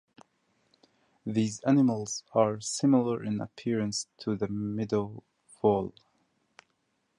These animals are similar in appearance to the meadow vole.